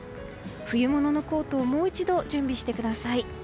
冬物のコートをもう一度準備してください。